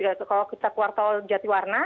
kalau kita keluar tol jatiwarna